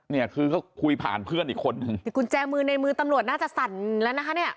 เนี่ยคือเขาคุยผ่านเพื่อนอีกคนนึงแต่กุญแจมือในมือตำรวจน่าจะสั่นแล้วนะคะเนี่ย